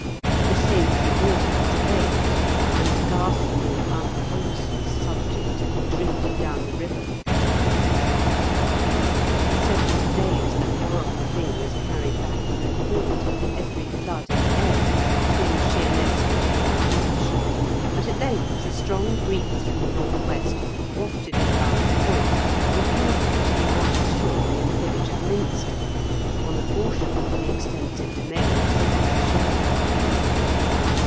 The saintly order was obeyed, and the ghastly and unwholesome subject" drifted down the river with the tide. For several days the horrible thing was carried backward and forward, every flood and ebb, between Sheemess and Gillingham Keach; but at length a strong breeze from the north west wafted it round the point and caused it to be washed ashore near the village of Minster, on the foreshore of the extensive domain of Sir Robert Shurland.